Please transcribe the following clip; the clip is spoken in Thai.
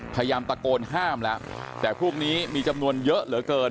พยายามตะโกนห้ามแล้วแต่พวกนี้มีจำนวนเยอะเหลือเกิน